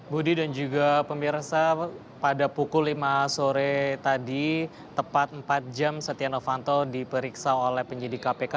budi dan juga pemirsa pada pukul lima sore tadi tepat empat jam setia novanto diperiksa oleh penyidik kpk